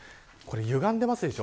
ゆがんでいますでしょ。